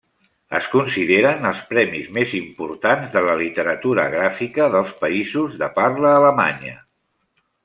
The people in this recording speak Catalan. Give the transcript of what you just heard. Es consideren els premis més importants de la literatura gràfica dels països de parla alemanya.